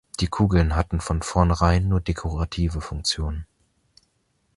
Die Kugeln hatten von vornherein nur dekorative Funktion.